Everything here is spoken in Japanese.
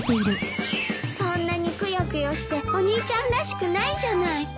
そんなにくよくよしてお兄ちゃんらしくないじゃない。